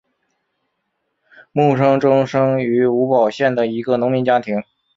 慕生忠生于吴堡县的一个农民家庭。